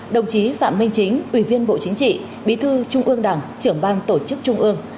đồng chí phạm minh chính ủy viên bộ chính trị bí thư trung ương đảng trưởng ban tổ chức trung ương